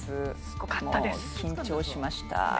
緊張しました。